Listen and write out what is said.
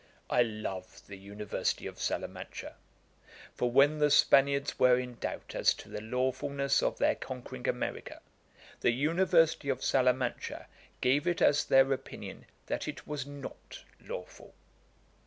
'I love the University of Salamancha; for when the Spaniards were in doubt as to the lawfulness of their conquering America, the University of Salamancha gave it as their opinion that it was not lawful.'